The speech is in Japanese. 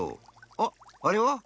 あっあれは？